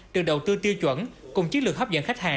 được đầu tư tiêu chuẩn cùng chiến lược hấp dẫn khách hàng